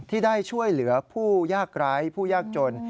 ที่ได้ช่วยเหลือผู้ยากไร้ผู้ยากจน